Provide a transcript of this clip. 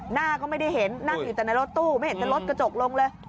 หน้าก็ไม่ได้เห็นนั่งอยู่แต่ในรถตู้ไม่เห็นจะลดกระจกลงเลย